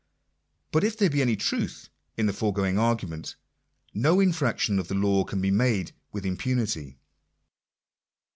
But if there he any truth in the fore going argument, no infraction of the law can be made with impunity.